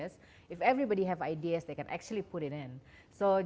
jika semua orang punya ide mereka bisa meletakkan